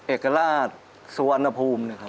เอกราชสุวรรณภูมินะครับ